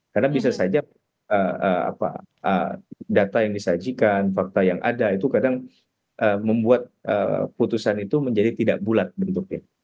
karena bisa saja data yang disajikan fakta yang ada itu kadang membuat putusan itu menjadi tidak bulat bentuknya